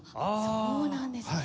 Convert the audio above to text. そうなんですね。